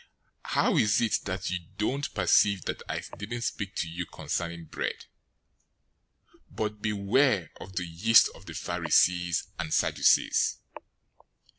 016:011 How is it that you don't perceive that I didn't speak to you concerning bread? But beware of the yeast of the Pharisees and Sadducees."